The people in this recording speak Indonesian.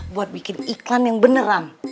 buat bikin baik